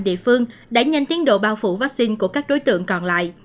địa phương đã nhanh tiến độ bao phủ vaccine của các đối tượng còn lại